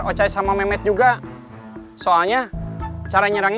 ya kakak sampai bekerja itu tepat parah